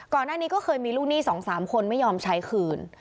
ก่อนหน้านี้ก็เคยมีลูกหนี้๒๓คนไม่ยอมใช้คืน